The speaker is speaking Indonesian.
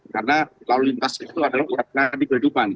karena lalu lintas itu adalah uang nanti kehidupan